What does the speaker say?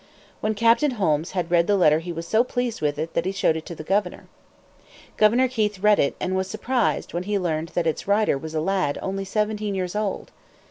When Captain Holmes had read the letter he was so pleased with it that he showed it to the governor. Governor Keith read it and was surprised when he learned that its writer was a lad only seventeen years old.